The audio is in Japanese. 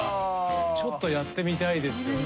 ちょっとやってみたいですよね。